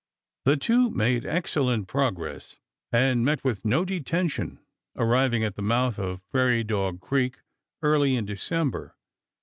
The two made excellent progress, and met with no detention, arriving at the mouth of Prairie Dog Creek early in December.